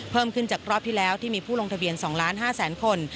เพิ่มขึ้นจากรอบที่แล้วที่มีผู้ลงทะเบียน๒๕๐๐๐คน